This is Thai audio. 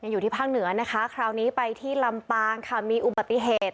อยู่ที่ภาคเหนือนะคะคราวนี้ไปที่ลำปางค่ะมีอุบัติเหตุ